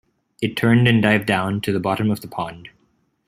It turned and dived down to the bottom of the pond.